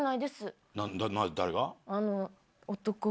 誰が？